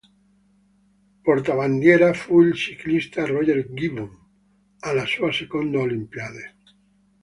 Portabandiera fu il ciclista Roger Gibbon, alla sua seconda olimpiade.